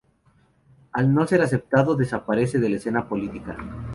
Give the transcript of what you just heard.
Al no ser aceptado desaparece de la escena política.